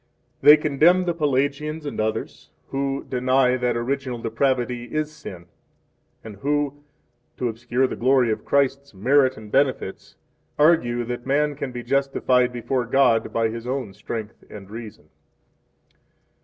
3 They condemn the Pelagians and others who deny that original depravity is sin, and who, to obscure the glory of Christ's merit and benefits, argue that man can be justified before God by his own strength and reason.